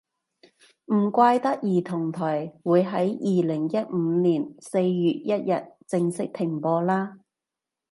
唔怪得兒童台會喺二零一五年四月一日正式停播啦